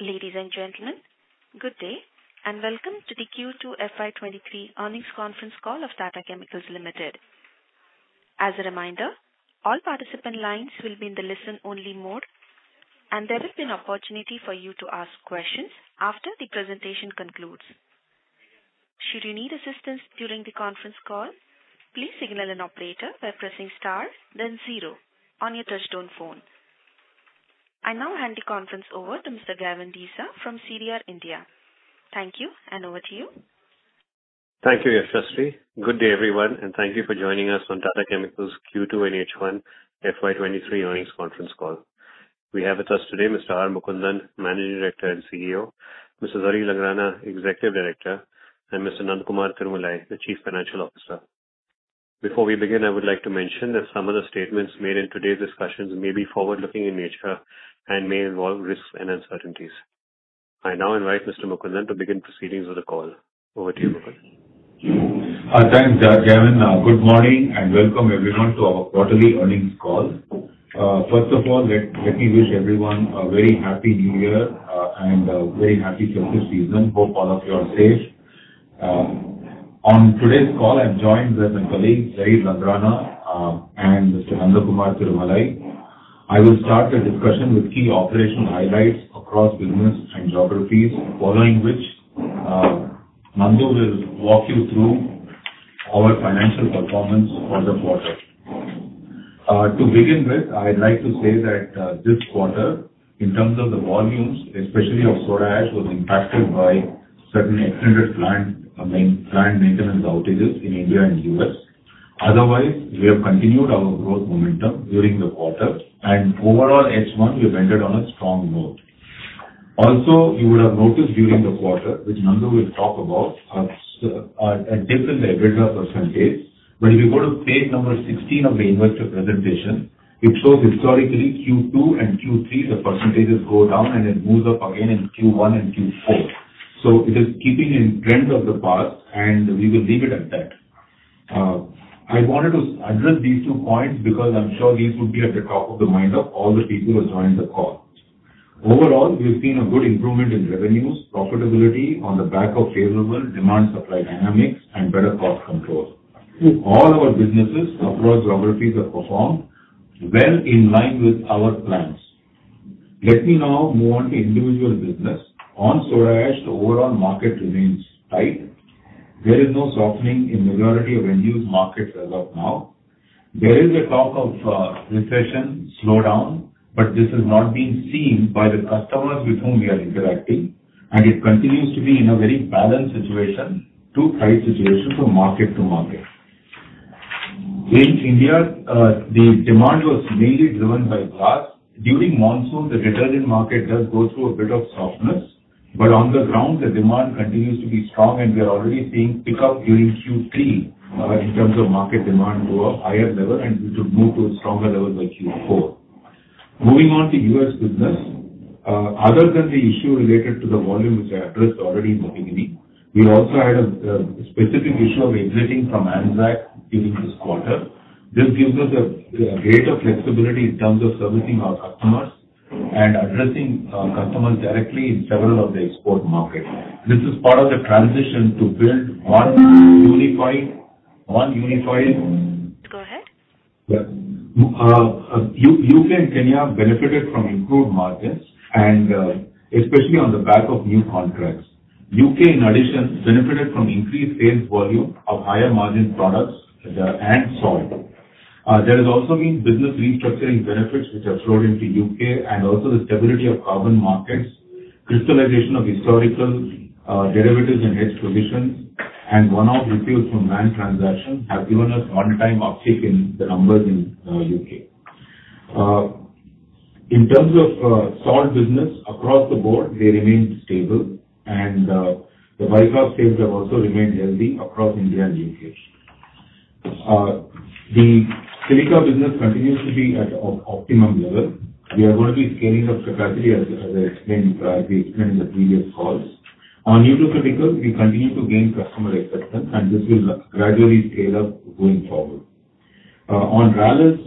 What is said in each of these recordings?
Ladies and gentlemen, good day, and welcome to the Q2 FY 2023 Earnings Conference Call of Tata Chemicals Limited. As a reminder, all participant lines will be in the listen-only mode, and there will be an opportunity for you to ask questions after the presentation concludes. Should you need assistance during the conference call, please signal an operator by pressing star then zero on your touchtone phone. I now hand the conference over to Mr. Gavin Desa from CDR India. Thank you, and over to you. Thank you, Yashashree. Good day, everyone, and thank you for joining us on Tata Chemicals Q2 and H1 FY 2023 Earnings Conference Call. We have with us today Mr. Ramakrishnan Mukundan, Managing Director and CEO, Mr. Zarir Langrana, Executive Director, and Mr. Nandakumar Tirumalai, the Chief Financial Officer. Before we begin, I would like to mention that some of the statements made in today's discussions may be forward-looking in nature and may involve risks and uncertainties. I now invite Mr. Mukundan to begin proceedings of the call. Over to you, Mukundan. Thanks, Gavin. Good morning and welcome everyone to our quarterly earnings call. First of all, let me wish everyone a very happy New Year, and very happy festive season. Hope all of you are safe. On today's call I'm joined with my colleagues, Zarir Langrana, and Mr. Nandakumar Tirumalai. I will start the discussion with key operational highlights across business and geographies, following which, Nandu will walk you through our financial performance for the quarter. To begin with, I'd like to say that, this quarter, in terms of the volumes, especially of soda ash, was impacted by certain extended plant maintenance outages in India and U.S. Otherwise, we have continued our growth momentum during the quarter. Overall H1 we've ended on a strong note. Also, you would have noticed during the quarter, which Nandu will talk about, a different EBITDA percentage. When you go to page number 16 of the investor presentation, it shows historically Q2 and Q3, the percentages go down, and it moves up again in Q1 and Q4. It is keeping in trend of the past, and we will leave it at that. I wanted to address these two points because I'm sure these would be at the top of the mind of all the people who joined the call. Overall, we've seen a good improvement in revenues, profitability on the back of favorable demand supply dynamics and better cost control. All our businesses across geographies have performed well in line with our plans. Let me now move on to individual business. On Soda Ash, the overall market remains tight. There is no softening in majority of end use markets as of now. There is a talk of recession slowdown, but this has not been seen by the customers with whom we are interacting, and it continues to be in a very balanced situation to tight situation from market to market. In India, the demand was mainly driven by glass. During monsoon, the detergent market does go through a bit of softness, but on the ground the demand continues to be strong, and we are already seeing pickup during Q3 in terms of market demand to a higher level and it should move to a stronger level by Q4. Moving on to US business. Other than the issue related to the volume which I addressed already in the beginning, we also had a specific issue of exiting from ANSAC during this quarter. This gives us a greater flexibility in terms of servicing our customers and addressing customers directly in several of the export markets. This is part of the transition to build one unified. Go ahead. Yeah. U.K. and Kenya benefited from improved margins and, especially on the back of new contracts. U.K., in addition, benefited from increased sales volume of higher margin products, and salt. There has also been business restructuring benefits which have flowed into U.K. and also the stability of carbon markets, crystallization of historical, derivatives and hedge positions, and one-off receipts from land transactions have given us one-time uptick in the numbers in U.K. In terms of salt business across the board, they remain stable and, the buy-back sales have also remained healthy across India and U.K. The silica business continues to be at optimum level. We are going to be scaling up capacity, as I explained, we explained in the previous calls. On nutraceuticals, we continue to gain customer acceptance, and this will gradually scale up going forward. On Rallis,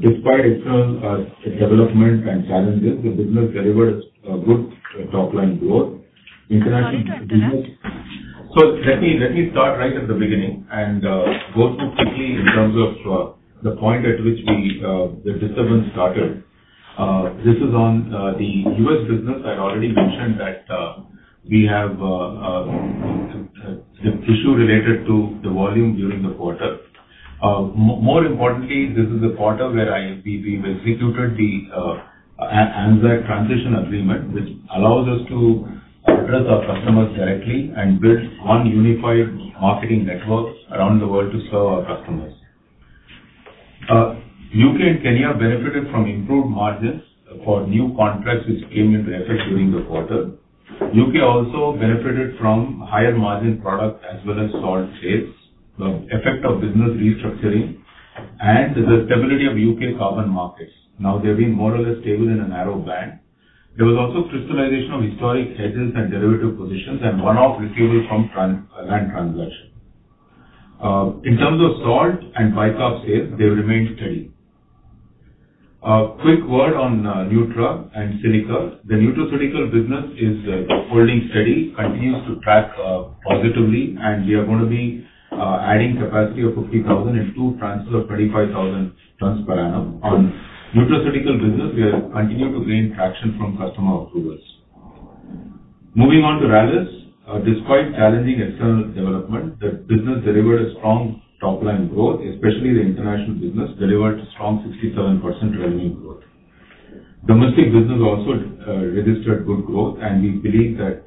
despite external development and challenges, the business delivered a good top-line growth. International business. Sorry, sir. Let me start right at the beginning and go through quickly in terms of the point at which the disturbance started. This is on the U.S. business. I'd already mentioned that we have an issue related to the volume during the quarter. More importantly, this is a quarter where we executed the ANSAC transition agreement, which allows us to address our customers directly and build one unified marketing network around the world to serve our customers. U.K. and Kenya benefited from improved margins for new contracts which came into effect during the quarter. U.K. also benefited from higher margin product as well as salt sales, the effect of business restructuring and the stability of U.K. carbon markets. Now, they've been more or less stable in a narrow band. There was also crystallization of historic hedges and derivative positions and one-off receivable from land transaction. In terms of salt and bicarb sales, they remained steady. A quick word on Nutra and Silica. The nutraceutical business is holding steady, continues to track positively, and we are gonna be adding capacity of 50,000 and two transfers of 25,000 tons per annum. On nutraceutical business, we have continued to gain traction from customer approvals. Moving on to Rallis. Despite challenging external development, the business delivered a strong top-line growth, especially the international business delivered strong 67% revenue growth. Domestic business also registered good growth, and we believe that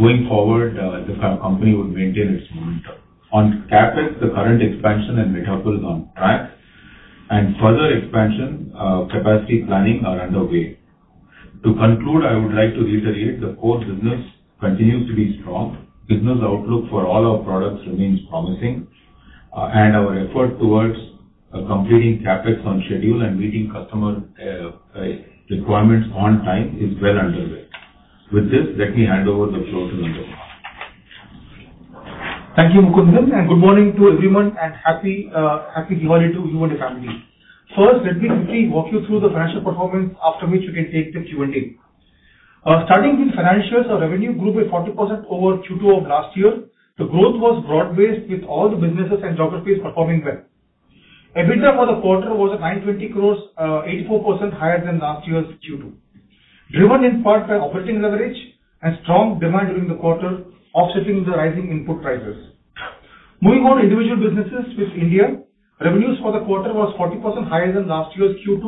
going forward the company would maintain its momentum. On CapEx, the current expansion and recovery is on track and further expansion capacity planning are underway. To conclude, I would like to reiterate the core business continues to be strong. Business outlook for all our products remains promising, and our effort towards completing CapEx on schedule and meeting customer requirements on time is well underway. With this, let me hand over the floor to Nandakumar. Thank you, Mukundan, and good morning to everyone, and happy Diwali to you and your family. First, let me quickly walk you through the financial performance, after which we can take the Q&A. Starting with financials, our revenue grew by 40% over Q2 of last year. The growth was broad-based with all the businesses and geographies performing well. EBITDA for the quarter was at 920 crores, 84% higher than last year's Q2, driven in part by operating leverage and strong demand during the quarter offsetting the rising input prices. Moving on to individual businesses in India. Revenues for the quarter was 40% higher than last year's Q2.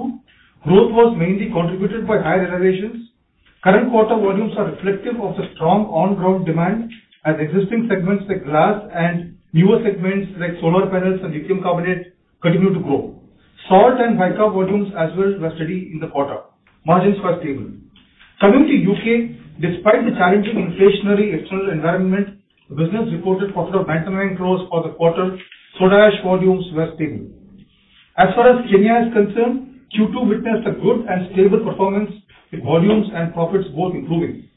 Growth was mainly contributed by higher realizations. Current quarter volumes are reflective of the strong on-ground demand as existing segments like glass and newer segments like solar panels and lithium carbonate continue to grow. Salt and bicarb volumes as well were steady in the quarter. Margins were stable. Coming to U.K., despite the challenging inflationary external environment, the business reported profit of 99 crores for the quarter. Soda Ash volumes were stable. As far as Kenya is concerned, Q2 witnessed a good and stable performance with volumes and profits both improving.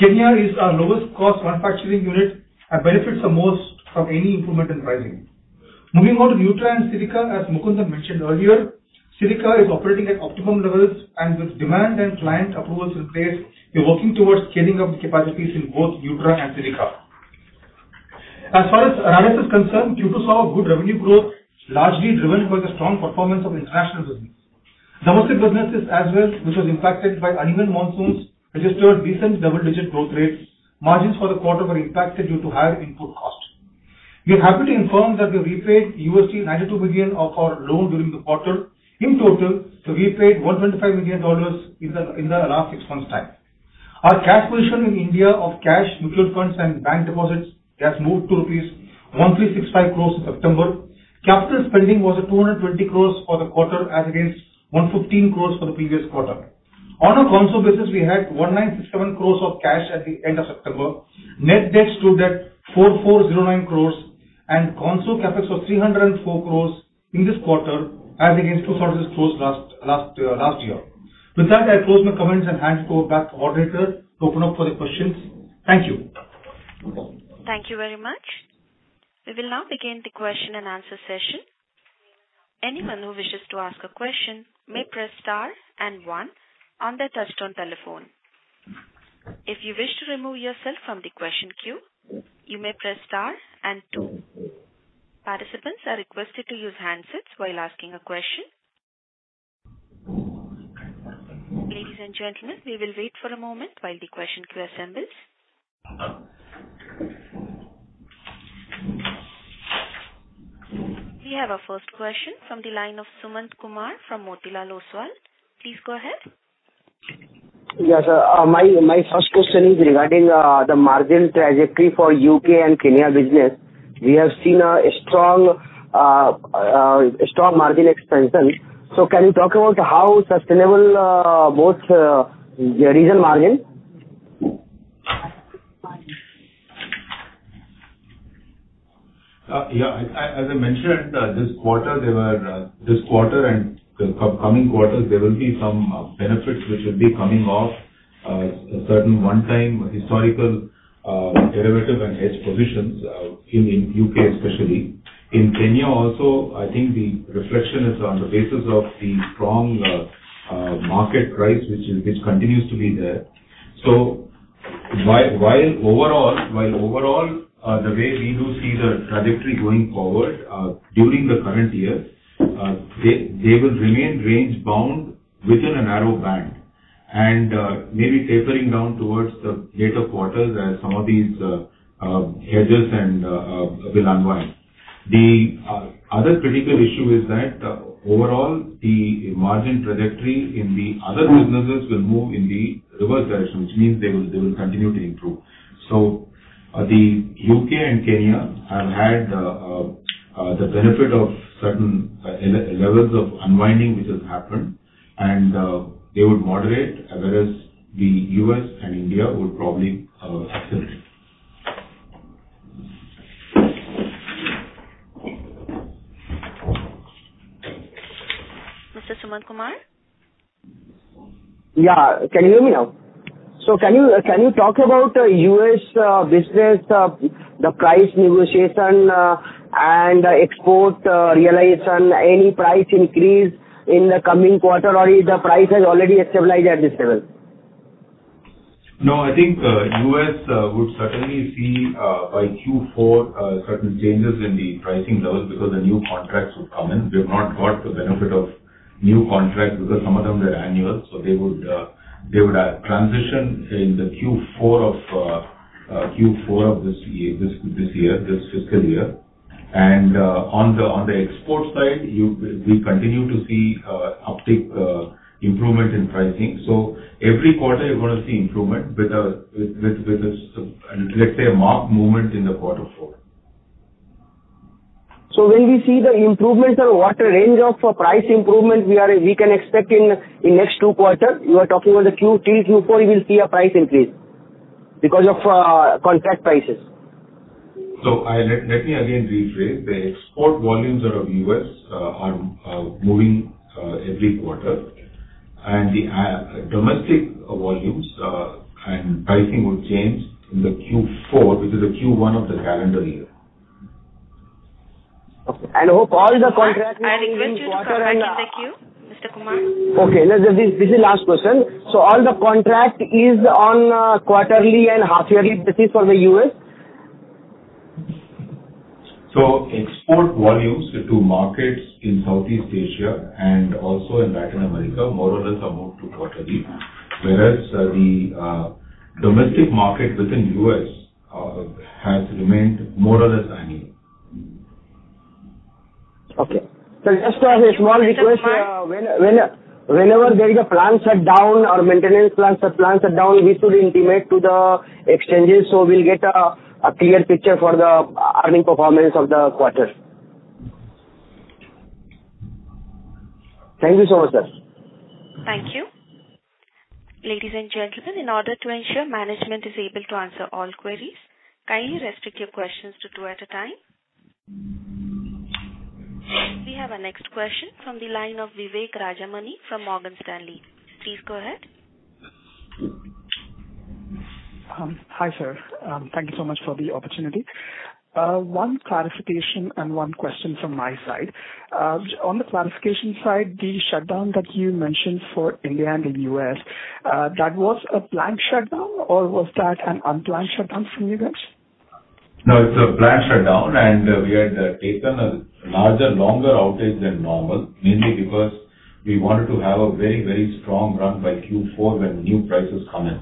Kenya is our lowest cost manufacturing unit and benefits the most from any improvement in pricing. Moving on to Nutra and Silica, as R. Mukundan mentioned earlier, Silica is operating at optimum levels, and with demand and client approvals in place, we're working towards scaling up the capacities in both Nutra and Silica. As far as Rallis is concerned, Q2 saw a good revenue growth, largely driven by the strong performance of international business. Domestic businesses as well, which was impacted by uneven monsoons, registered decent double-digit growth rates. Margins for the quarter were impacted due to higher input cost. We're happy to inform that we repaid $92 million of our loan during the quarter. In total, we repaid $125 million in the last six months time. Our cash position in India of cash, mutual funds and bank deposits has moved to rupees 1,365 crores in September. Capital spending was at 220 crores for the quarter, as against 115 crores for the previous quarter. On a consolidated basis, we had 1,967 crores of cash at the end of September. Net debt stood at 4,409 crores and consolidated CapEx of 304 crores in this quarter, as against 206 crores last year. With that, I close my comments and hand over back to operator to open up for the questions. Thank you. Thank you very much. We will now begin the question-and-answer session. Anyone who wishes to ask a question may press star and one on their touchtone telephone. If you wish to remove yourself from the question queue, you may press star and two. Participants are requested to use handsets while asking a question. Ladies and gentlemen, we will wait for a moment while the question queue assembles. We have our first question from the line of Sumant Kumar from Motilal Oswal. Please go ahead. Yes, my first question is regarding the margin trajectory for U.K. and Kenya business. We have seen a strong margin expansion. Can you talk about how sustainable are both the region margin? Yeah. As I mentioned, this quarter and the upcoming quarters, there will be some benefits which will be coming off certain one-time historical derivative and hedge positions, in U.K. especially. In Kenya also, I think the reflection is on the basis of the strong market price which continues to be there. While overall, the way we do see the trajectory going forward, during the current year, they will remain range-bound within a narrow band and maybe tapering down towards the later quarters as some of these hedges and will unwind. The other critical issue is that overall the margin trajectory in the other businesses will move in the reverse direction, which means they will continue to improve. The U.K. and Kenya have had the benefit of certain levels of unwinding which has happened and they would moderate, whereas the U.S. and India would probably accelerate. Sumant Kumar. Yeah. Can you hear me now? Can you talk about U.S. business, the price negotiation, and export realization, any price increase in the coming quarter, or if the price has already stabilized at this level? No, I think U.S. would certainly see by Q4 certain changes in the pricing levels because the new contracts would come in. We've not got the benefit of new contracts because some of them are annual, so they would have transition in the Q4 of this fiscal year. On the export side, we continue to see uptick, improvement in pricing. Every quarter you're gonna see improvement with a, let's say, a marked movement in the quarter four. When we see the improvements or what range of price improvement we are, we can expect in next two quarters. You are talking about the Q3, Q4, you will see a price increase because of contract prices. Let me again rephrase. The export volumes out of U.S. are moving every quarter. The domestic volumes and pricing would change in the Q4, which is the Q1 of the calendar year. Okay. All the contracts will be in quarter and. I request you to come back in the queue, Mr. Kumar. Okay. This is the last question. All the contract is on quarterly and half yearly basis for the U.S.? Export volumes to markets in Southeast Asia and also in Latin America more or less are moved to quarterly, whereas the domestic market within U.S. has remained more or less annual. Okay. Just a small request. Whenever there is a plant shutdown or maintenance, we should intimate to the exchanges, so we'll get a clear picture for the earnings performance of the quarter. Thank you so much, sir. Thank you. Ladies and gentlemen, in order to ensure management is able to answer all queries, kindly restrict your questions to two at a time. We have our next question from the line of Vivek Rajamani from Morgan Stanley. Please go ahead. Hi, sir. Thank you so much for the opportunity. One clarification and one question from my side. On the clarification side, the shutdown that you mentioned for India and the U.S., that was a planned shutdown or was that an unplanned shutdown from your end? No, it's a planned shutdown, and we had taken a larger, longer outage than normal, mainly because we wanted to have a very, very strong run by Q4 when new prices come in.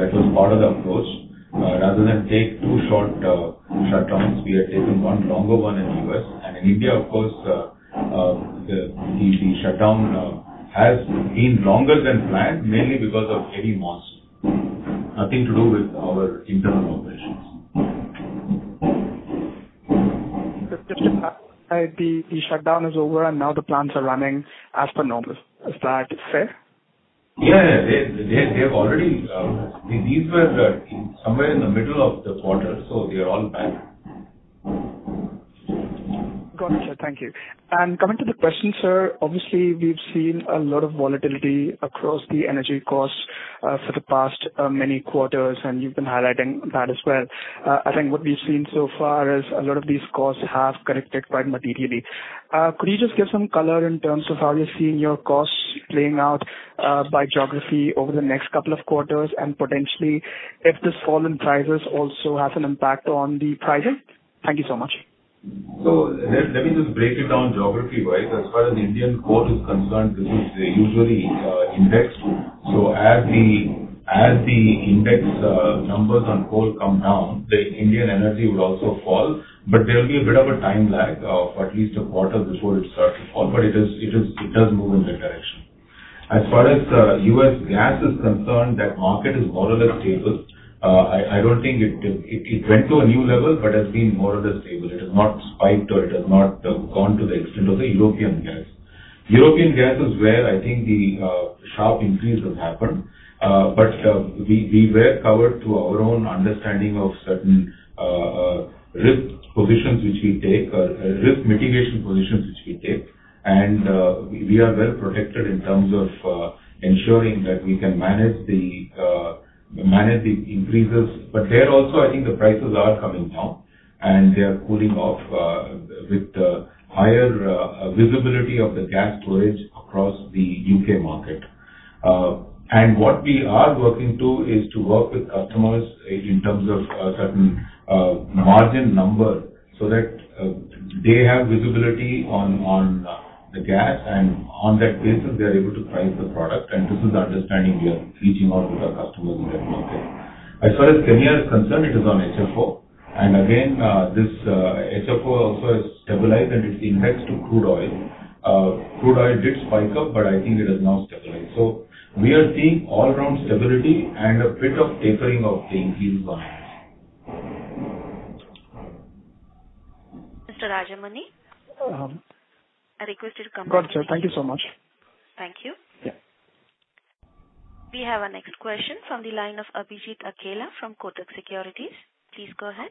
That was part of the approach. Rather than take two short shutdowns, we have taken one longer one in the U.S. In India, of course, the shutdown has been longer than planned, mainly because of heavy monsoon. Nothing to do with our internal operations. The shutdown is over and now the plants are running as per normal. Is that fair? Yeah. They have already. These were somewhere in the middle of the quarter, so they are all back. Got it, sir. Thank you. Coming to the question, sir, obviously we've seen a lot of volatility across the energy costs, for the past, many quarters, and you've been highlighting that as well. I think what we've seen so far is a lot of these costs have corrected quite materially. Could you just give some color in terms of how you're seeing your costs playing out, by geography over the next couple of quarters and potentially if this fall in prices also has an impact on the prices? Thank you so much. Let me just break it down geography-wise. As far as Indian coal is concerned, this is usually indexed. As the index numbers on coal come down, the Indian energy would also fall, but there will be a bit of a time lag of at least a quarter before it starts to fall. It does move in that direction. As far as U.S. gas is concerned, that market is more or less stable. I don't think it went to a new level, but has been more or less stable. It has not spiked or it has not gone to the extent of the European gas. European gas is where I think the sharp increase has happened. We were covered through our own understanding of certain risk mitigation positions which we take. We are well protected in terms of ensuring that we can manage the increases. There also, I think the prices are coming down and they are cooling off with the higher visibility of the gas storage across the U.K. market. What we are working to is to work with customers in terms of a certain margin number, so that they have visibility on the gas, and on that basis, they are able to price the product. This is the understanding we are reaching out with our customers in that market. As far as Kenya is concerned, it is on HFO. Again, this HFO also has stabilized and it's indexed to crude oil. Crude oil did spike up, but I think it has now stabilized. We are seeing all around stability and a bit of tapering of the increase volumes. Mr. Rajamani. Um. I request you to come back. Got you. Thank you so much. Thank you. Yeah. We have our next question from the line of Abhijit Akella from Kotak Securities. Please go ahead.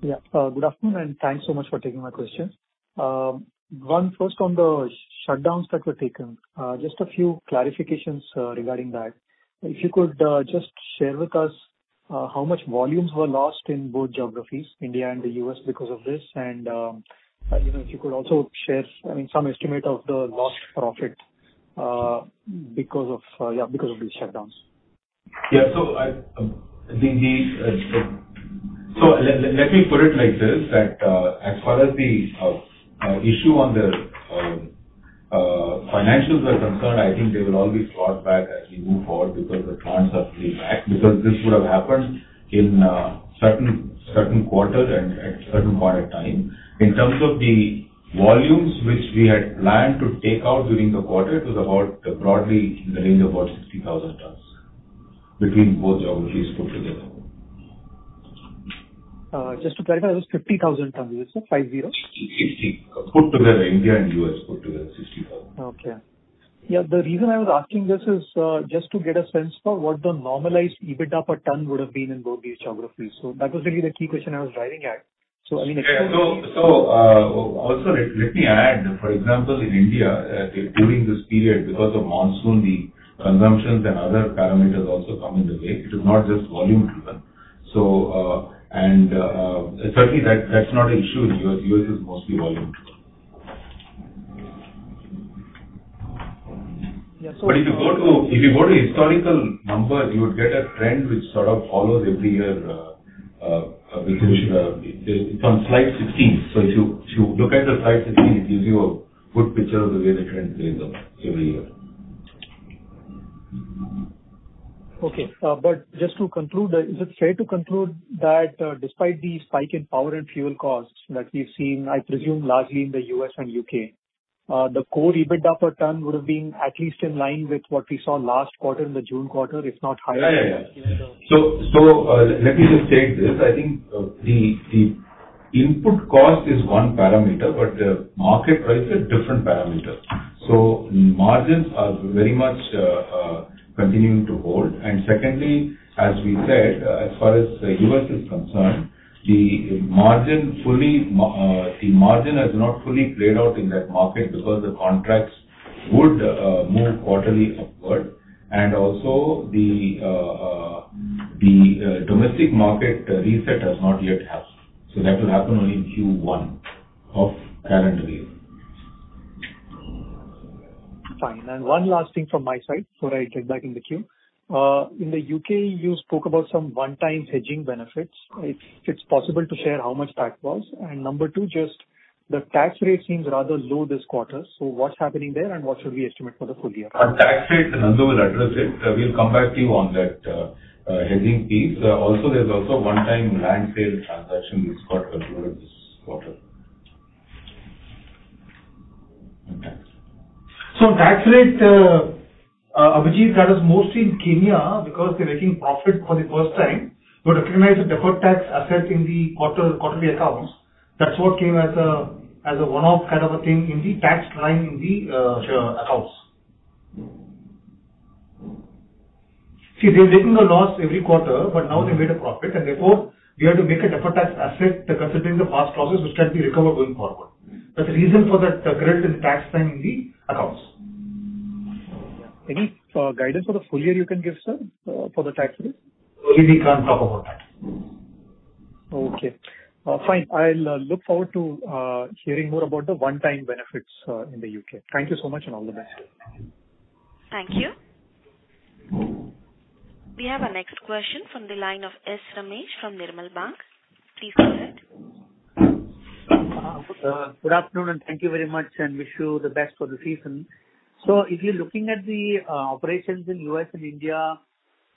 Yeah. Good afternoon, and thanks so much for taking my questions. One first on the shutdowns that were taken, just a few clarifications regarding that. If you could just share with us how much volumes were lost in both geographies, India and the U.S. because of this and, you know, if you could also share, I mean, some estimate of the lost profit because of these shutdowns. Let me put it like this, that as far as the issue on the financials are concerned, I think they will always fall back as we move forward because the trends have to be back. This would have happened in certain quarters and at certain point in time. In terms of the volumes which we had planned to take out during the quarter, it was about broadly in the range of about 60,000 tons between both geographies put together. Just to clarify, that was 50,000 tons you said, 50? 60. Put together India and U.S. put together, 60,000. Okay. Yeah, the reason I was asking this is just to get a sense for what the normalized EBITDA per ton would have been in both these geographies. That was really the key question I was driving at. I mean- Yeah. Also let me add, for example, in India, during this period, because of monsoon the consumption and other parameters also come in the way. It is not just volume driven. Certainly that's not an issue in U.S. U.S. is mostly volume driven. Yeah. If you go to historical numbers, you would get a trend which sort of follows every year. It's on slide 16. If you look at the slide 16, it gives you a good picture of the way the trend plays out every year. Okay. Just to conclude, is it fair to conclude that, despite the spike in power and fuel costs that we've seen, I presume largely in the U.S. and U.K., the core EBITDA per ton would have been at least in line with what we saw last quarter in the June quarter, if not higher? Yeah. Let me just take this. I think the input cost is one parameter, but the market price is different parameter. Margins are very much continuing to hold. Secondly, as we said, as far as the U.S. is concerned, the margin has not fully played out in that market because the contracts would move quarterly upward, and also the domestic market reset has not yet happened. That will happen only in Q1 of current year. Fine. One last thing from my side before I get back in the queue. In the UK, you spoke about some one-time hedging benefits. If it's possible to share how much that was. Number two, just the tax rate seems rather low this quarter, so what's happening there and what should we estimate for the full year? On tax rate, Nanda will address it. We'll come back to you on that, hedging piece. Also, there's one-time land sale transaction we've got earlier this quarter. On tax. Tax rate, Abhijit, that is mostly in Kenya because they're making profit for the first time. We recognize the deferred tax asset in the quarter, quarterly accounts. That's what came as a one-off kind of a thing in the tax line in the accounts. See, they're making a loss every quarter, but now they made a profit and therefore we have to make a deferred tax asset considering the past losses which can be recovered going forward. That's the reason for that credit in tax line in the accounts. Any guidance for the full year you can give, sir, for the tax rate? Early, we can't talk about that. Okay. Fine. I'll look forward to hearing more about the one-time benefits in the U.K. Thank you so much, and all the best. Thank you. We have our next question from the line of S. Ramesh from Nirmal Bang. Please go ahead. Good afternoon, and thank you very much, and wish you the best for the season. If you're looking at the operations in U.S. and India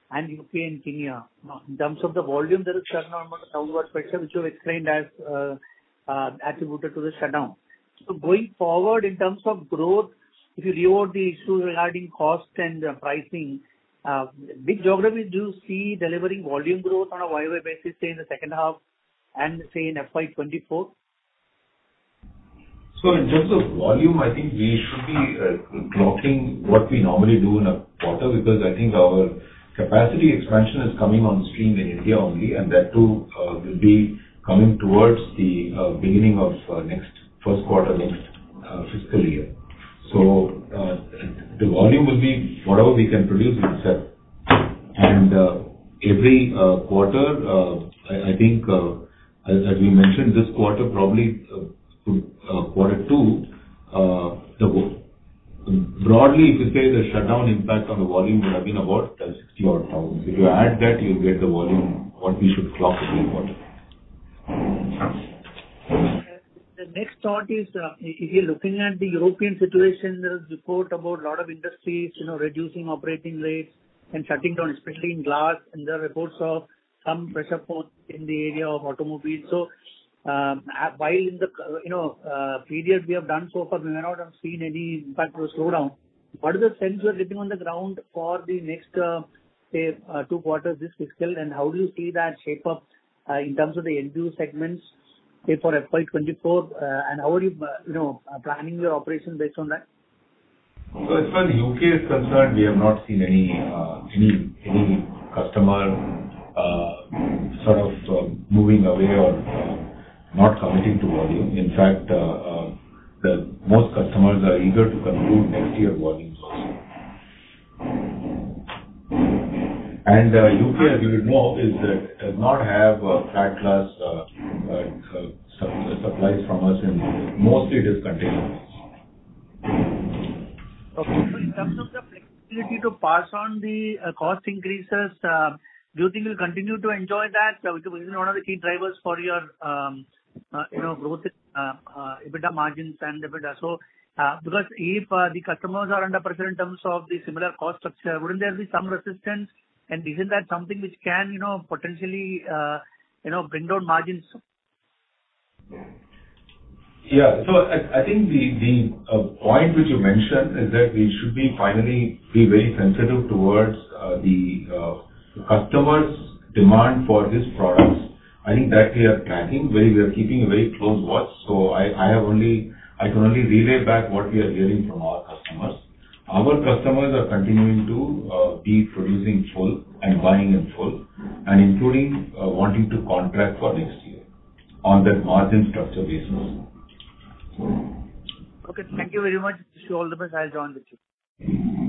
and U.K. and Kenya in terms of the volume, there is shutdown about 1,000 tons which you explained as attributed to the shutdown. Going forward in terms of growth, if you remove the issues regarding cost and pricing, which geographies do you see delivering volume growth on a YoY basis, say in the second half and say in FY 2024? In terms of volume, I think we should be clocking what we normally do in a quarter, because I think our capacity expansion is coming on stream in India only, and that too will be coming towards the beginning of the first quarter of next fiscal year. The volume will be whatever we can produce itself. Every quarter, I think as we mentioned this quarter, probably quarter two. Broadly if you say the shutdown impact on the volume would have been about 60,000. If you add that, you'll get the volume what we should clock every quarter. The next thought is, if you're looking at the European situation, there are reports about a lot of industries, you know, reducing operating rates and shutting down, especially in glass, and there are reports of some pressure points in the area of automobiles. While in the previous we have done so far, we may not have seen any impact or slowdown. What is the sense you are getting on the ground for the next, say, two quarters this fiscal? And how do you see that shape up, in terms of the end-use segments? Say for FY 2024, and how are you know, planning your operation based on that? As far as U.K. is concerned, we have not seen any customer sort of moving away or not committing to volume. In fact, the most customers are eager to conclude next year volumes also. U.K., as you would know, does not have flat glass supplies from us, and mostly it is containers. Okay. In terms of the flexibility to pass on the cost increases, do you think you'll continue to enjoy that? Which is one of the key drivers for your, you know, growth, EBITDA margins and EBITDA. Because if the customers are under pressure in terms of the similar cost structure, wouldn't there be some resistance? Isn't that something which can, you know, potentially, you know, bring down margins? Yeah. I think the point which you mentioned is that we should finally be very sensitive towards the customer's demand for these products. I think that we are keeping a very close watch. I can only relay back what we are hearing from our customers. Our customers are continuing to be producing full and buying in full and including wanting to contract for next year on that margin structure basis. Okay. Thank you very much. Wish you all the best. I'll join with you. Thank you.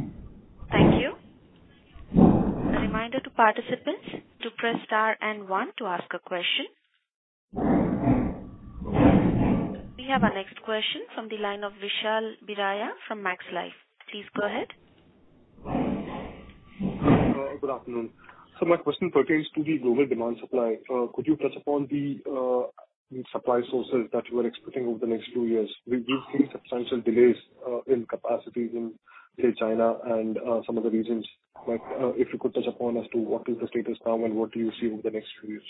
A reminder to participants to press star and one to ask a question. We have our next question from the line of Vishal Biraia from Max Life. Please go ahead. Good afternoon. My question pertains to the global demand supply. Could you touch upon the supply sources that you are expecting over the next two years? We've seen substantial delays in capacity in, say, China and some other regions. If you could touch upon as to what is the status now and what do you see over the next few years?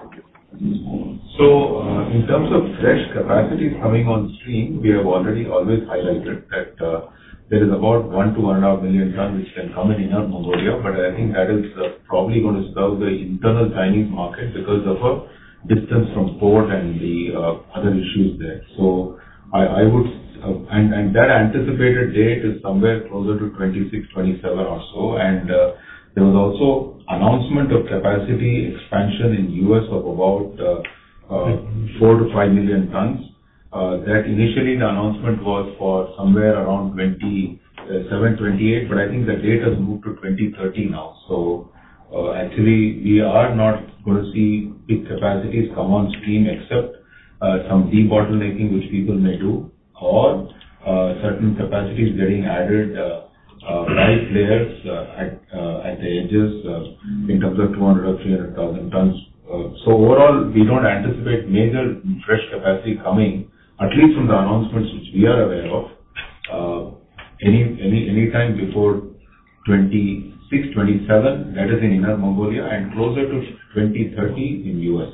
Thank you. In terms of fresh capacity coming on stream, we have already always highlighted that there is about 1 million-1.5 million tons which can come in Inner Mongolia, but I think that is probably gonna serve the internal Chinese market because of a distance from port and the other issues there. That anticipated date is somewhere closer to 2026, 2027 or so. There was also announcement of capacity expansion in U.S. of about 4 million-5 million tons. That, initially, the announcement was for somewhere around 2027, 2028, but I think the date has moved to 2030 now. Actually we are not gonna see big capacities come on stream except some debottlenecking which people may do or certain capacities getting added by players at the edges in terms of 200,000 or 300,000 tons. Overall, we don't anticipate major fresh capacity coming, at least from the announcements which we are aware of, anytime before 2026, 2027. That is in Inner Mongolia and closer to 2030 in U.S.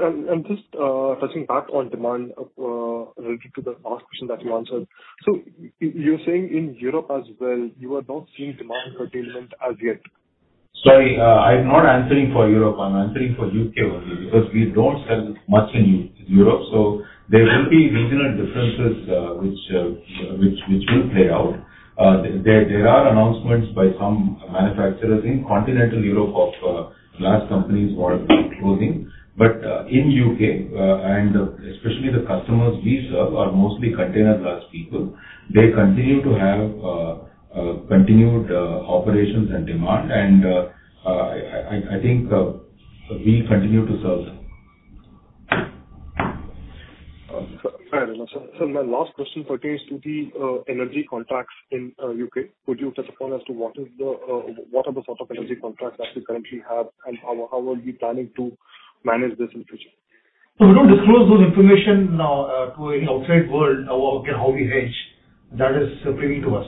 Okay. Just touching back on demand related to the last question that you answered. You're saying in Europe as well, you are not seeing demand curtailment as yet? Sorry, I'm not answering for Europe, I'm answering for U.K. only because we don't sell much in Europe. There will be regional differences, which will play out. There are announcements by some manufacturers in continental Europe of glass companies who are closing. In U.K. and especially the customers we serve are mostly container glass people. They continue to have continued operations and demand and I think we'll continue to serve them. Okay. Fair enough, sir. My last question pertains to the energy contracts in U.K. Could you touch upon as to what are the sort of energy contracts that you currently have and how are you planning to manage this in future? We don't disclose those information to any outside world about how we hedge. That is privy to us.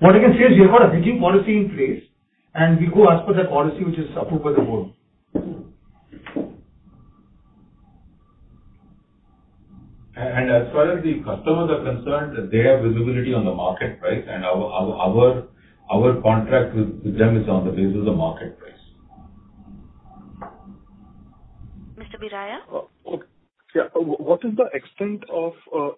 What I can say is we have a hedging policy in place, and we go as per that policy which is approved by the board. As far as the customers are concerned, they have visibility on the market price, and our contract with them is on the basis of market price. Mr. Biraia? What is the extent of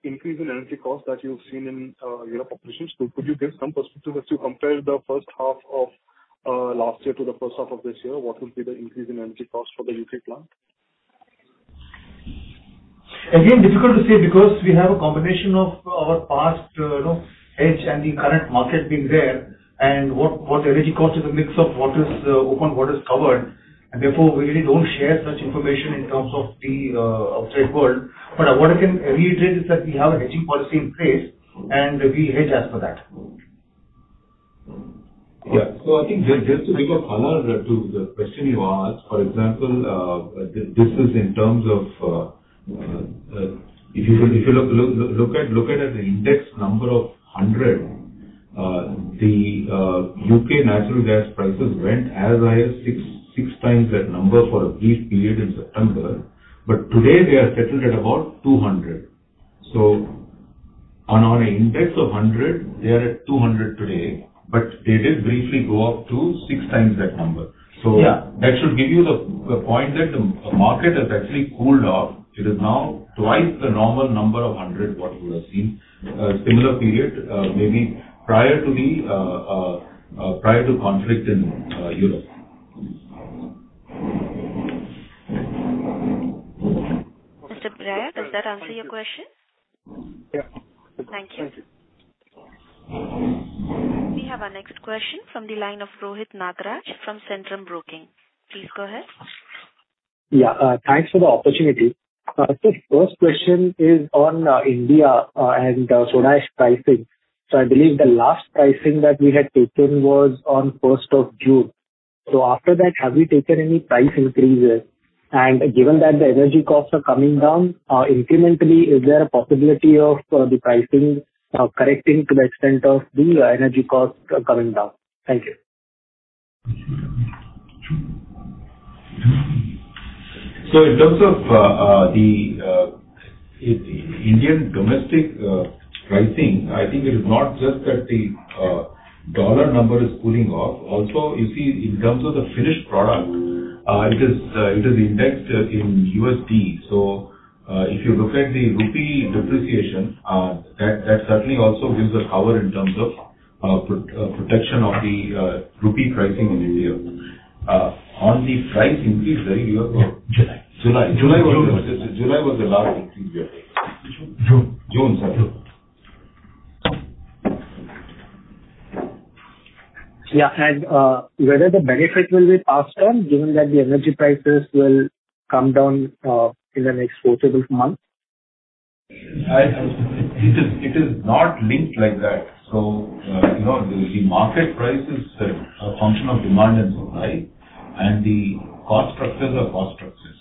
increase in energy cost that you've seen in Europe operations? Could you give some perspective as you compare the first half of last year to the first half of this year, what will be the increase in energy cost for the UK plant? Again, difficult to say because we have a combination of our past, you know, hedge and the current market being there and what the energy cost is a mix of what is open, what is covered. Therefore, we really don't share such information in terms of the outside world. What I can reiterate is that we have a hedging policy in place, and we hedge as per that. I think just to make a parallel to the question you asked, for example, this is in terms of, if you look at an index number of 100, the U.K. natural gas prices went as high as 6x that number for a brief period in September. But today they are settled at about 200. On an index of 100, they are at 200 today, but they did briefly go up to 6x that number. Yeah. That should give you the point that the market has actually cooled off. It is now twice the normal number of 100 what you would have seen, similar period, maybe prior to conflict in Europe. Mr. Vishal Biraia, does that answer your question? Yeah. Thank you. We have our next question from the line of Rohit Nagraj from Centrum Broking. Please go ahead. Yeah, thanks for the opportunity. First question is on India and Soda Ash pricing. I believe the last pricing that we had taken was on first of June. After that, have you taken any price increases? Given that the energy costs are coming down incrementally, is there a possibility of the pricing correcting to the extent of the energy costs coming down? Thank you. In terms of the Indian domestic pricing, I think it is not just that the dollar number is cooling off. Also, you see, in terms of the finished product, it is indexed in USD. If you look at the rupee depreciation, that certainly also gives a cover in terms of protection of the rupee pricing in India. On the price increase, right, you have July. July. June. July was the last increase, yeah. June. June. Sorry. Yeah. Whether the benefit will be passed on given that the energy prices will come down in the next fou-six months? It is not linked like that. You know, the market price is a function of demand and supply, and the cost structures are cost structures.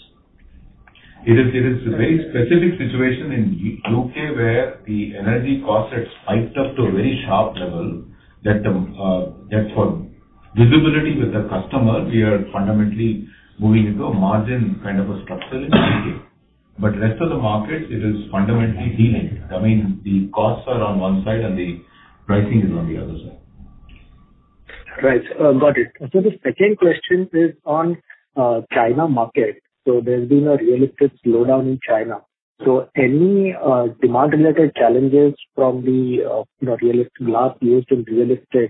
It is a very specific situation in the U.K. where the energy costs had spiked up to a very sharp level that for visibility with the customer, we are fundamentally moving into a margin kind of a structure in the U.K. Rest of the markets, it is fundamentally delinked. I mean, the costs are on one side and the pricing is on the other side. Right. Got it. The second question is on China market. There's been a real estate slowdown in China. Any demand related challenges from the you know, real estate last year's real estate,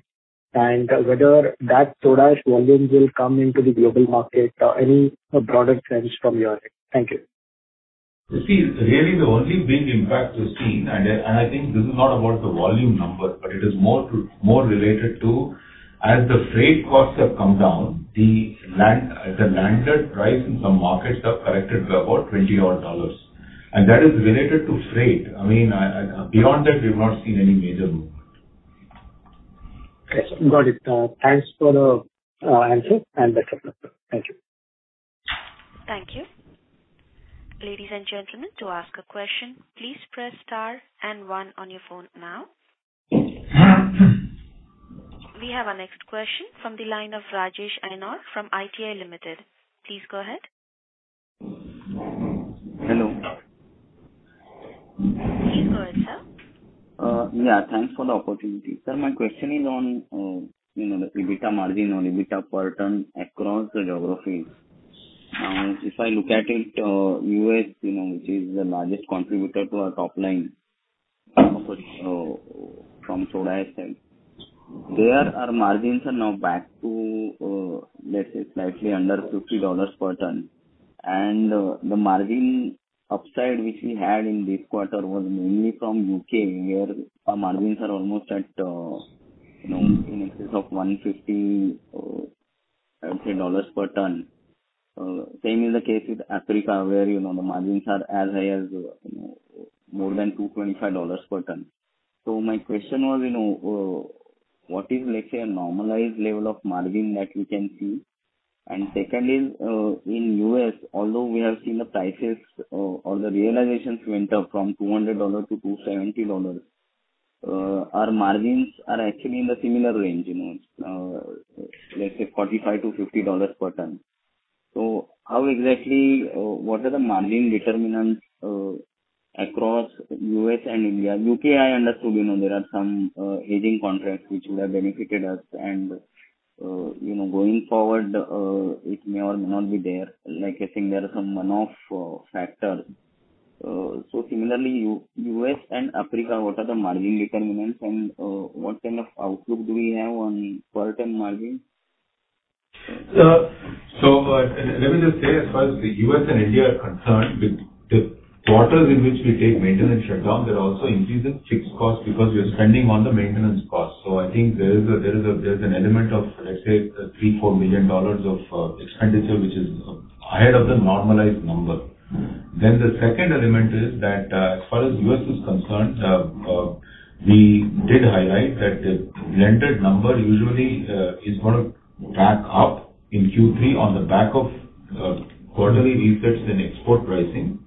and whether that soda ash volumes will come into the global market or any product change from your end? Thank you. You see, really the only big impact we've seen, and I think this is not about the volume numbers, but it is more related to as the freight costs have come down, the landed price in some markets have corrected to about $20-odd. That is related to freight. I mean, beyond that, we've not seen any major movement. Okay. Got it. Thanks for the answer and the clarity. Thank you. Thank you. Ladies and gentlemen, to ask a question, please press star and one on your phone now. We have our next question from the line of Rajesh Rai from ITI Limited. Please go ahead. Hello. Please go ahead, sir. Yeah, thanks for the opportunity. Sir, my question is on, you know, the EBITDA margin or EBITDA per ton across the geographies. If I look at it, U.S., you know, which is the largest contributor to our top line, from soda ash side, there our margins are now back to, let's say slightly under $50 per ton. The margin upside which we had in this quarter was mainly from U.K., where our margins are almost at, you know, in excess of $150, let's say, dollars per ton. Same is the case with Africa, where, you know, the margins are as high as, you know, more than $225 per ton. My question was, you know, what is, let's say, a normalized level of margin that we can see? Second, in U.S., although we have seen the prices or the realizations went up from $200 to $270, our margins are actually in the similar range, you know. Let's say $45-$50 per ton. How exactly what are the margin determinants across U.S. and India? U.K., I understood, you know, there are some aging contracts which would have benefited us, and you know, going forward, it may or may not be there. Like I think there are some one-off factor. Similarly U.S. and Africa, what are the margin determinants and what kind of outlook do we have on per ton margin? Sir, let me just say as far as the U.S. and India are concerned, the quarters in which we take maintenance shutdown, there are also increases in fixed costs because we are spending on the maintenance costs. I think there is an element of, let's say, $3-$4 million of expenditure which is ahead of the normalized number. Then the second element is that, as far as U.S. is concerned, we did highlight that the landed number usually is gonna back up in Q3 on the back of quarterly resets in export pricing.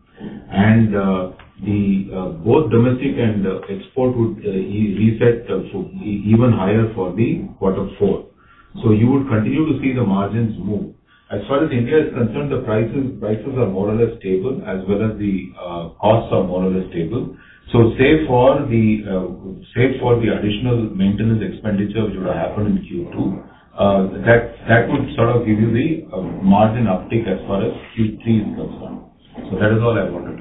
Both domestic and export would reset, so even higher for the quarter four. You will continue to see the margins move. As far as India is concerned, the prices are more or less stable, as well as the costs are more or less stable. Save for the additional maintenance expenditure which would happen in Q2, that would sort of give you the margin uptick as far as Q3 is concerned. That is all I wanted.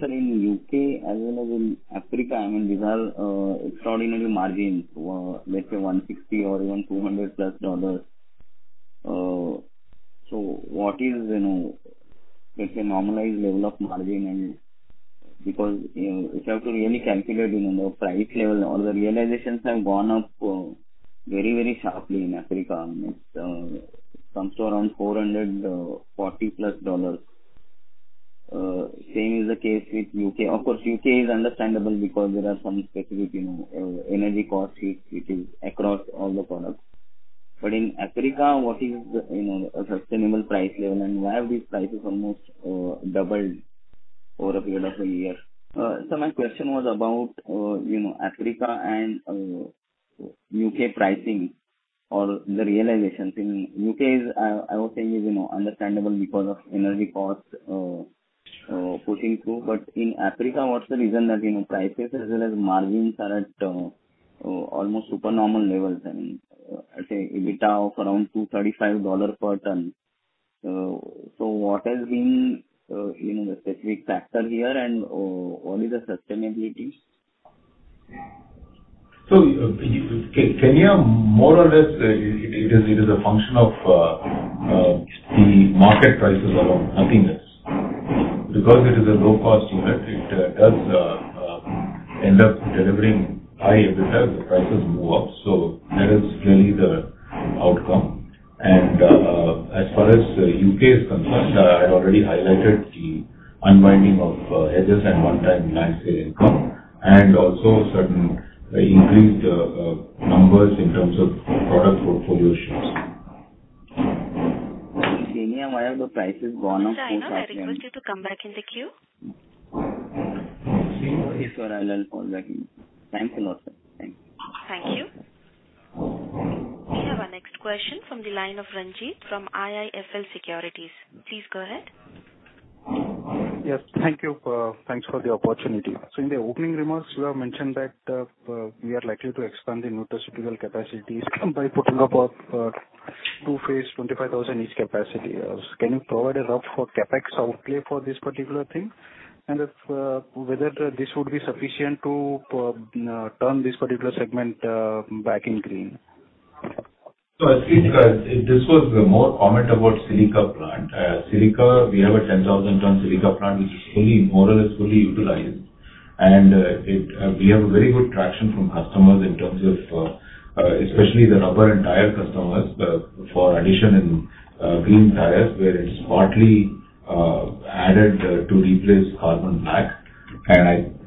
Sir, in U.K. as well as in Africa, I mean, these are extraordinary margins. Let's say $160 or even $200+. What is, you know, let's say normalized level of margin? Because, you know, you have to really calculate, you know, price level or the realizations have gone up very, very sharply in Africa. I mean, it comes to around $440+. Same is the case with U.K. Of course, U.K. is understandable because there are some specific, you know, energy costs which is across all the products. In Africa, what is the, you know, a sustainable price level and why have these prices almost doubled over a period of a year? My question was about, you know, Africa and U.K. pricing or the realizations. In the U.K., I would say, it is understandable because of energy costs pushing through. In Africa, what's the reason that, you know, prices as well as margins are at almost supernormal levels? I mean, say EBITDA of around $235 per ton. What has been, you know, the specific factor here and what is the sustainability? Kenya more or less, it is a function of the market prices alone, nothing else. Because it is a low-cost unit, it does end up delivering high EBITDA as the prices move up. That is really the outcome. As far as U.K. is concerned, I had already highlighted the unwinding of hedges and one-time land sale income and also certain increased numbers in terms of product portfolio shifts. In Kenya, why have the prices gone up 4x? Sir, I know. I request you to come back in the queue. Sure. If so I'll call back in. Thanks a lot, sir. Thank you. Thank you. We have our next question from the line of Ranjit from IIFL Securities. Please go ahead. Yes. Thank you. Thanks for the opportunity. In the opening remarks, you have mentioned that we are likely to expand the nutraceutical capacities by putting up a two-phase 25,000 each capacity. Can you provide a rough CapEx outlay for this particular thing? Whether this would be sufficient to turn this particular segment back in green. As Keith said, this was more a comment about silica plant. Silica, we have a 10,000-ton Silica plant which is fully, more or less fully utilized. We have a very good traction from customers in terms of, especially the rubber and tire customers, for addition in green tires, where it's partly added to replace carbon black.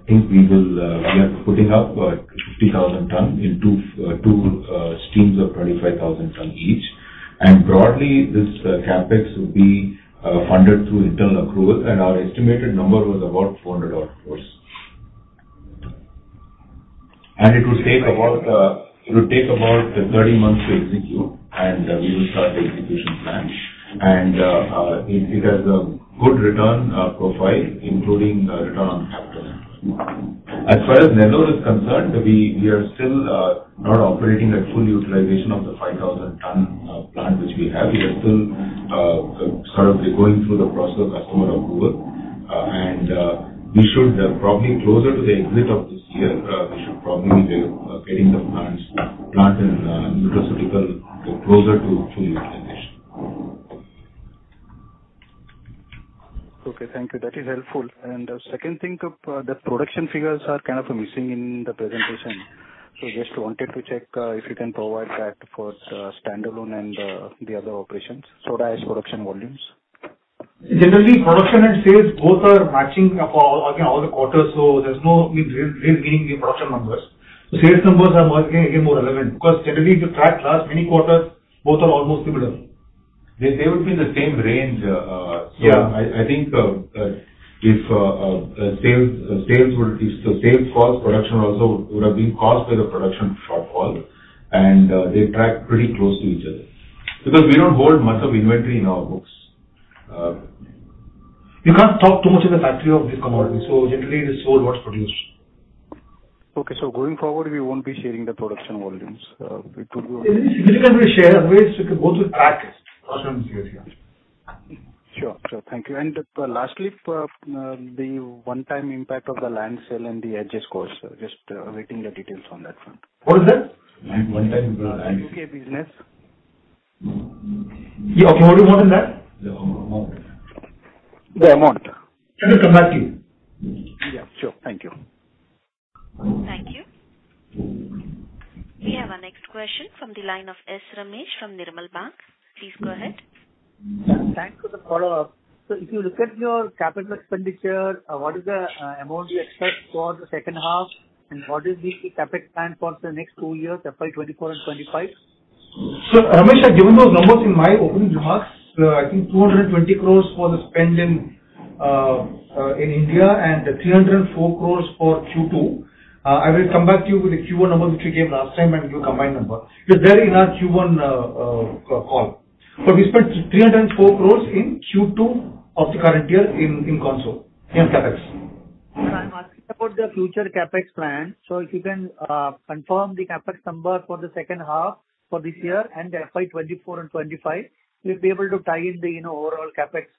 I think we are putting up 50,000 tons in two streams of 25,000 tons each. Broadly, this CapEx will be funded through internal accrual, and our estimated number was about INR 400 odd crores. It will take about 30 months to execute, and we will start the execution plan. It has a good return profile, including a return on capital. As far as Mithapur is concerned, we are still not operating at full utilization of the 5,000-ton plant which we have. We are still sort of going through the process of customer approval. We should probably, closer to the end of this year, be getting the plant and Nutraceutical closer to full utilization. Okay. Thank you. That is helpful. Second thing, the production figures are kind of missing in the presentation. Just wanted to check if you can provide that for the standalone and the other operations. Soda Ash production volumes. Generally, production and sales both are matching up all, again, all the quarters, so there's no, I mean, real meaning in production numbers. The sales numbers are more, again, more relevant because generally if you track last many quarters, both are almost similar. They would be in the same range. Yeah. If the sales falls, production also would have been caused by the production shortfall, and they track pretty close to each other. Because we don't hold much of inventory in our books. You can't stock too much in the factory of this commodity, so generally you sell what's produced. Okay. Going forward, we won't be sharing the production volumes. Initially, when we share, we can both track production figures, yeah. Sure. Thank you. Lastly, the one-time impact of the land sale and the hedges cost. Just awaiting the details on that front. What is that? One-time impact of land. U.K. business. Yeah. Of what amount of land? The amount. The amount. Can we come back to you? Yeah, sure. Thank you. Thank you. We have our next question from the line of S. Ramesh from Nirmal Bang. Please go ahead. Thanks for the follow-up. If you look at your capital expenditure, what is the amount you expect for the second half, and what is the CapEx plan for the next two years, FY 2024 and 2025? S. Ramesh, given those numbers in my opening remarks, I think 220 crores was spent in India, and 304 crores for Q2. I will come back to you with the Q1 number which we gave last time and give a combined number. It was there in our Q1 call. We spent 304 crores in Q2 of the current year in consolidated CapEx. I'm asking about the future CapEx plan. If you can confirm the CapEx number for the second half for this year and FY 2024 and 2025, we'll be able to tie in the, you know, overall CapEx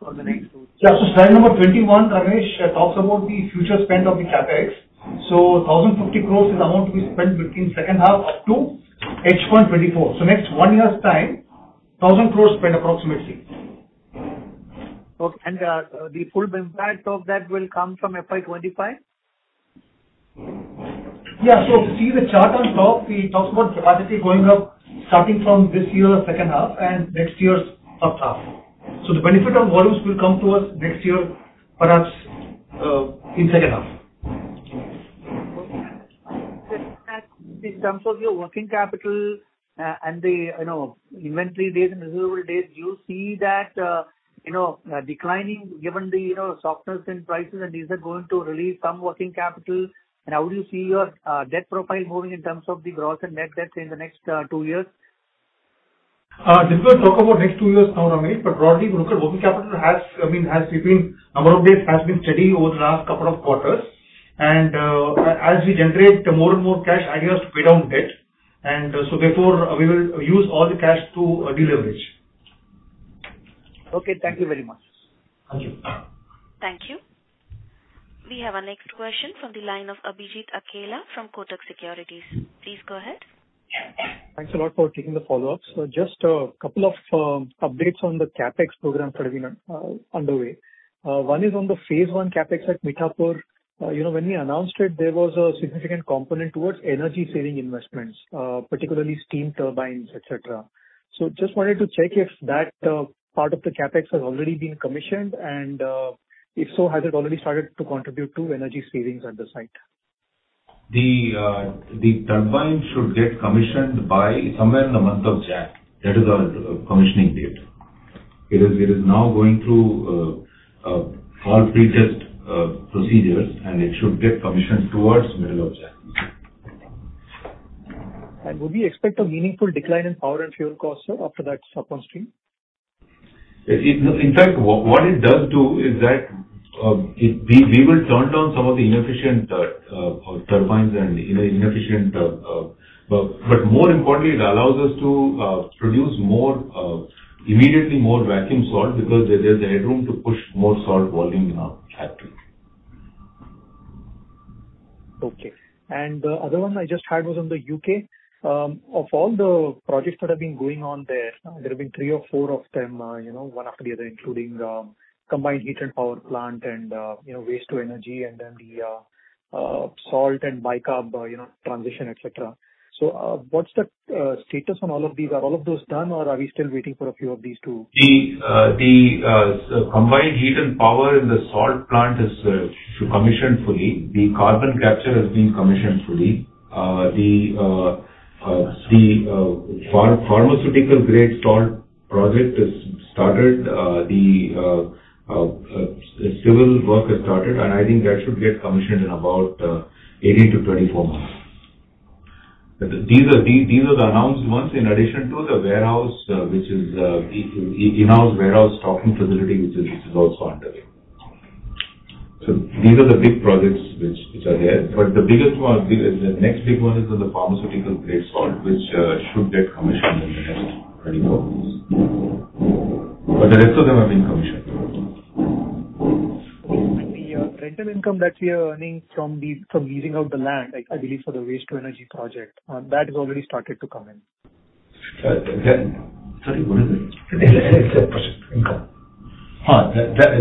for the next two years. Yeah. Slide number 21, Ramesh, talks about the future spend of the CapEx. Thousand fifty crores is the amount we spend between second half up to H1 2024. Next one year's time, thousand crores spent approximately. Okay. The full impact of that will come from FY 2025? Yeah. If you see the chart on top, it talks about capacity going up starting from this year second half and next year's first half. The benefit on volumes will come to us next year, perhaps, in second half. Okay. Just in terms of your working capital, and the, you know, inventory days and receivable days, do you see that, you know, declining given the, you know, softness in prices and these are going to relieve some working capital? How do you see your, debt profile moving in terms of the gross and net debt in the next, two years? Difficult to talk about next two years now, Ramesh. Broadly spoken, working capital has, I mean, has between amount of days has been steady over the last couple of quarters. As we generate more and more cash, idea is to pay down debt. Therefore we will use all the cash to deleverage. Okay. Thank you very much. Thank you. Thank you. We have our next question from the line of Abhijit Akella from Kotak Securities. Please go ahead. Thanks a lot for taking the follow-up. Just a couple of updates on the CapEx programs that have been underway. One is on the phase one CapEx at Mithapur. You know, when we announced it, there was a significant component towards energy saving investments, particularly steam turbines, et cetera. Just wanted to check if that part of the CapEx has already been commissioned, and if so, has it already started to contribute to energy savings at the site? The turbine should get commissioned by somewhere in the month of January. That is our commissioning date. It is now going through all pre-test procedures, and it should get commissioned towards middle of January. Would we expect a meaningful decline in power and fuel costs, sir, after that's upstream? In fact, what it does do is, we will turn down some of the inefficient turbines and inefficient, but more importantly, it allows us to produce more immediately more vacuum salt because there's a headroom to push more salt volume in our factory. Okay. The other one I just had was on the U.K. Of all the projects that have been going on there have been three or four of them, you know, one after the other, including, combined heat and power plant and, you know, waste to energy and then the, salt and bicarb, you know, transition, et cetera. What's the status on all of these? Are all of those done or are we still waiting for a few of these to- Combined heat and power in the salt plant is commissioned fully. The carbon capture has been commissioned fully. The pharmaceutical grade salt project is started. The civil work has started, and I think that should get commissioned in about 18-24 months. These are the announced ones in addition to the warehouse which is in-house warehouse stocking facility which is also underway. These are the big projects which are there. The biggest one, the next big one is on the pharmaceutical grade salt which should get commissioned in the next 24 months. The rest of them have been commissioned. The rental income that we are earning from leasing out the land, I believe for the waste to energy project, that has already started to come in. Sir, sorry, what is it? Income. That,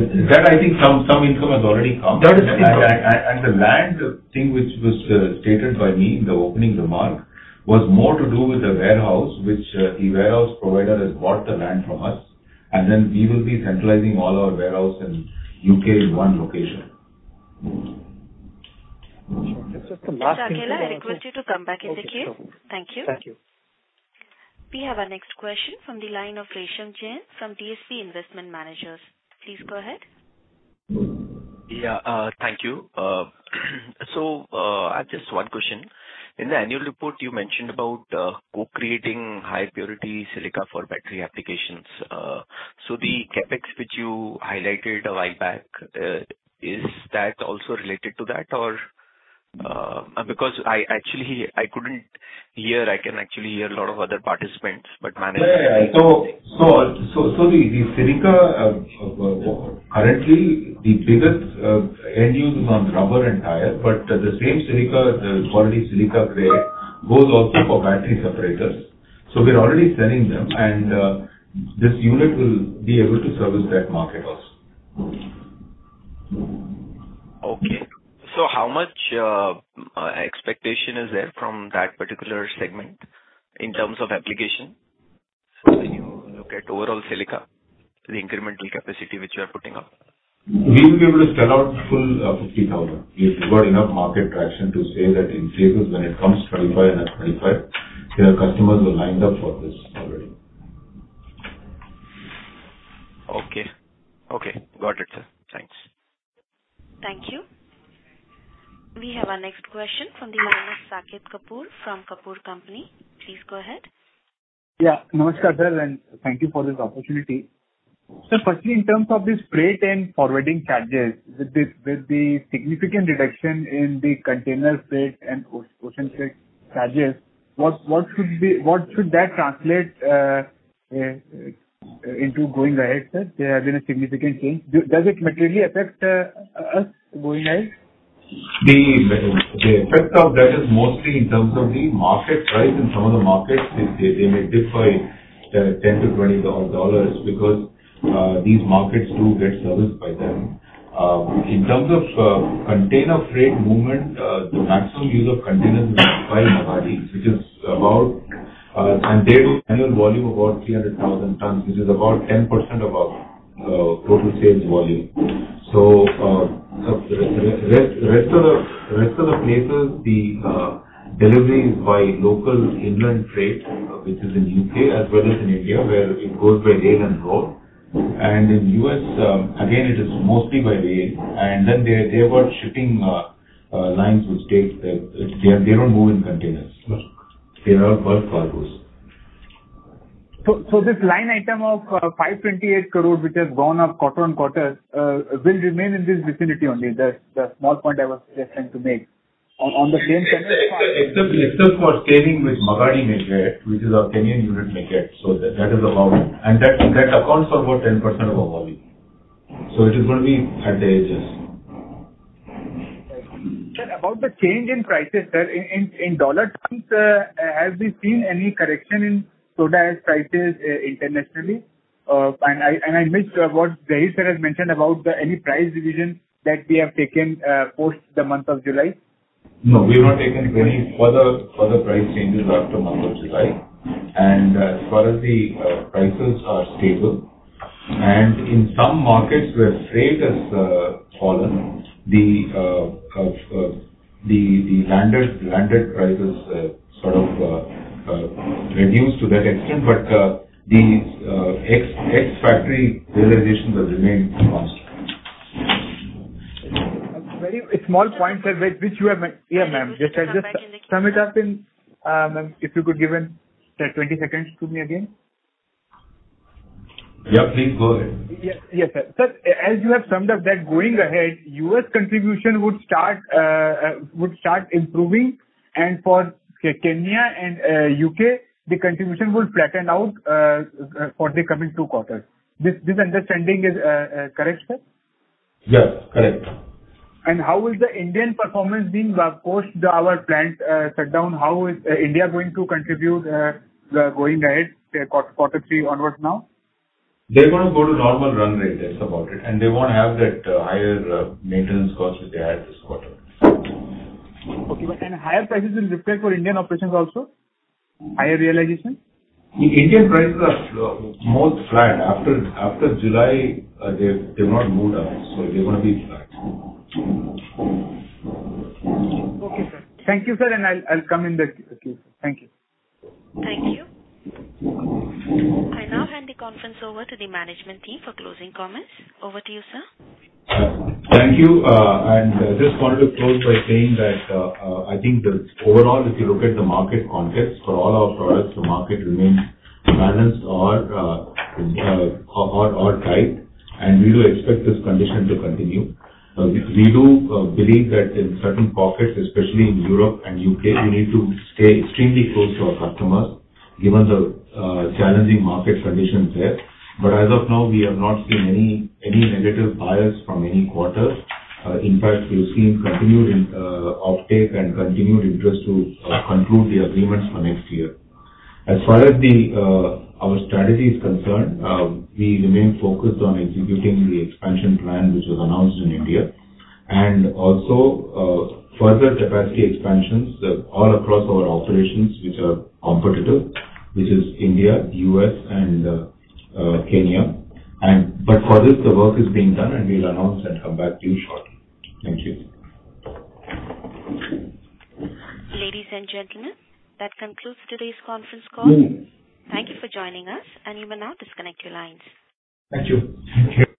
I think some income has already come. That is- The land thing which was stated by me in the opening remark was more to do with the warehouse, which the warehouse provider has bought the land from us and then we will be centralizing all our warehouse in U.K. in one location. Sure. Just a last thing. Mr. Akella, I request you to come back in the queue. Okay. Sure. Thank you. Thank you. We have our next question from the line of Resham Jain from DSP Investment Managers. Please go ahead. Thank you. I've just one question. In the annual report you mentioned about co-creating high purity silica for battery applications. The CapEx which you highlighted a while back, is that also related to that? Or, because I actually, I couldn't hear. I can actually hear a lot of other participants but manage- Yeah. The Silica currently the biggest end use is on rubber and tire, but the same silica, the quality silica grade, goes also for battery separators. We're already selling them and this unit will be able to service that market also. Okay. How much expectation is there from that particular segment in terms of application? Look at overall silica, the incremental capacity which you are putting up. We will be able to sell out full 50,000. We've got enough market traction to say that in phases when it comes 25 and 25, there are customers who are lined up for this already. Okay. Got it, sir. Thanks. Thank you. We have our next question from the line of Saket Kapoor from Kapoor & Company. Please go ahead. Yeah. Namaskar, sir, and thank you for this opportunity. Firstly, in terms of this freight and forwarding charges, with the significant reduction in the container freight and ocean freight charges, what should that translate into going ahead, sir? There has been a significant change. Does it materially affect us going ahead? The effect of that is mostly in terms of the market price. In some of the markets, they may differ $10-$20 because these markets do get serviced by them. In terms of container freight movement, the maximum use of containers is by Magadi, and they do annual volume about 300,000 tons, which is about 10% of our total sales volume. The rest of the places the delivery is by local inland freight, which is in U.K. as well as in India, where it goes by rail and road. In U.S., again, it is mostly by rail. Then they have got shipping lines which take the. They don't move in containers. They are bulk cargos. This line item of 528 crore which has gone up quarter-on-quarter will remain in this vicinity only. That's the small point I was just trying to make. On the same- Except for sailing with Magadi. Mm-hmm. which is our Kenyan unit Mm-hmm. That accounts for about 10% of our volume. It is gonna be at the edges. Thank you. Sir, about the change in prices, sir, in dollar terms, have we seen any correction in Soda Ash prices, internationally? I missed what Zarir sir has mentioned about any price revision that we have taken, post the month of July. No, we have not taken any further price changes after month of July. As far as the prices are stable. In some markets where freight has fallen, the landed prices sort of reduced to that extent, but the ex-factory realizations have remained constant. Very small point, sir, which you have me. I'm sorry to cut you, Mr. Kapoor. Yeah, ma'am. Just, I just sum it up in if you could give me, say, 20 seconds to me again. Yeah, please go ahead. Yes. Yes, sir. Sir, as you have summed up that going ahead, U.S. contribution would start improving, and for Kenya and U.K., the contribution will flatten out for the coming two quarters. This understanding is correct, sir? Yes, correct. How is the Indian performance being, post our plant shutdown, how is India going to contribute, going ahead, say, quarter three onwards now? They're gonna go to normal run rate. That's about it. They won't have that higher maintenance costs which they had this quarter. Okay. Higher prices will reflect for Indian operations also? Higher realization? The Indian prices are flat. After July, they've not moved up, so they're gonna be flat. Okay, sir. Thank you, sir, and I'll come in the queue. Thank you. Thank you. I now hand the conference over to the management team for closing comments. Over to you, sir. Thank you. Just wanted to close by saying that, I think the overall, if you look at the market context for all our products, the market remains balanced or tight, and we do expect this condition to continue. We do believe that in certain pockets, especially in Europe and U.K., we need to stay extremely close to our customers given the challenging market conditions there. As of now, we have not seen any negative bias from any quarter. In fact, we've seen continued uptake and continued interest to conclude the agreements for next year. As far as our strategy is concerned, we remain focused on executing the expansion plan which was announced in India. Also, further capacity expansions all across our operations which are competitive, which is India, U.S., and Kenya. About this the work is being done, and we'll announce and come back to you shortly. Thank you. Ladies and gentlemen, that concludes today's conference call. Thank you for joining us, and you may now disconnect your lines. Thank you. Thank you.